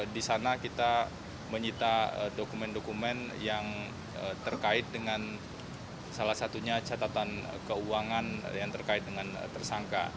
di sana kita menyita dokumen dokumen yang terkait dengan salah satunya catatan keuangan yang terkait dengan tersangka